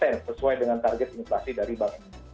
inflasi dari bank indonesia